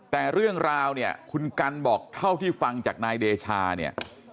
แต่เรื่องราวเนี่ยคุณกันบอกเท่าที่ฟังจากนายเดชาเนี่ย